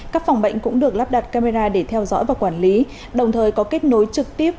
các phòng bệnh cũng được lắp đặt camera để theo dõi và quản lý đồng thời có kết nối trực tiếp